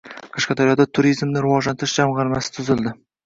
Qashqadaryoda turizmni rivojlantirish jamg‘armasi tuzildi